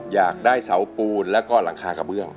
อยากได้เสาปูนแล้วก็หลังคากระเบื้อง